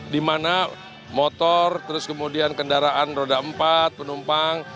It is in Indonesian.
dimana motor terus kemudian kendaraan roda empat penumpang